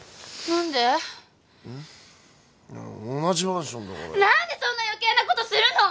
何でそんな余計なことするの！